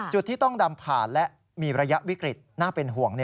จุดที่ต้องดำผ่านและมีระยะวิกฤตน่าเป็นห่วง